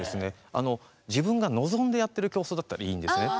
自分が望んでやってる競争だったらいいんですね。